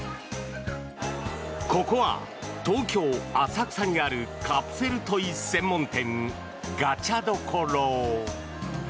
ここは、東京・浅草にあるカプセルトイ専門店がちゃ処。